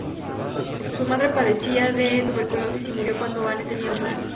Su madre padecía de tuberculosis y murió cuando Anne tenía ocho años.